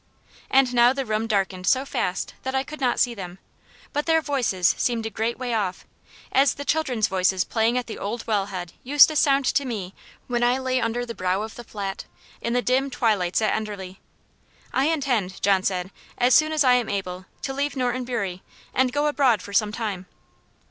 And now the room darkened so fast that I could not see them; but their voices seemed a great way off, as the children's voices playing at the old well head used to sound to me when I lay under the brow of the Flat in the dim twilights at Enderley. "I intend," John said, "as soon as I am able, to leave Norton Bury, and go abroad for some time."